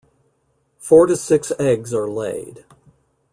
Four to six eggs are laid.